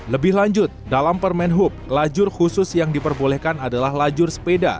lebih lanjut dalam permen hub lajur khusus yang diperbolehkan adalah lajur sepeda